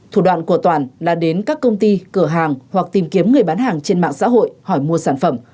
thủ đoạn của toàn là đến các công ty cửa hàng hoặc tìm kiếm người bán hàng trên mạng xã hội hỏi mua sản phẩm